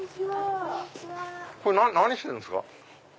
何してるんですか？